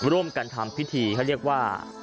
ร่วมกันทำพิธีเขาเรียกว่า